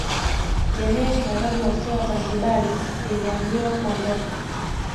Jamii ya Kiarabu wasio Wazanzibari iliamriwa kuondoka